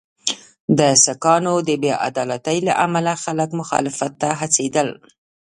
د سانکو د بې عدالتۍ له امله خلک مخالفت ته هڅېدل.